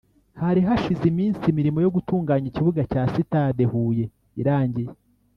Hari hashize iminsi imirimo yo gutunganya ikibuga cya sitade Huye irangiye